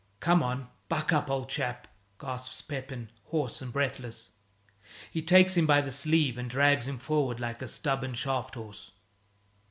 "Come on, buck up, old chap," gasps Pepin, hoarse and breathless. He takes him by the sleeve and drags him forward like a stubborn shaft horse.